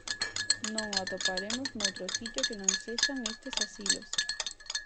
Non o atoparemos noutro sitio que non sexan estes asilos.